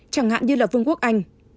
chẳng hạn như là vương quốc anh